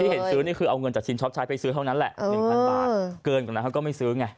เห็นซื้อนี่คือเอาเงินจากชินช็อปใช้ไปซื้อเท่านั้นแหละ๑๐๐บาทเกินกว่านั้นเขาก็ไม่ซื้อไง